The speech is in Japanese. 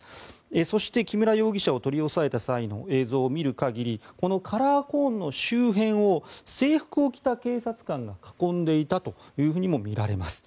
そして、木村容疑者を取り押さえた際の映像を見る限りこのカラーコーンの周辺を制服を着た警察官が囲んでいたというふうにも見られます。